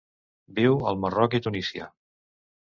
Viu al Marroc i Tunísia.